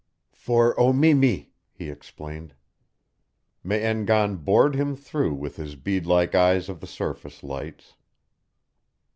"For O mi mi," he explained. Me en gan bored him through with his bead like eyes of the surface lights.